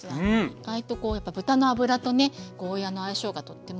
意外と豚の脂とねゴーヤーの相性がとってもいいですよね。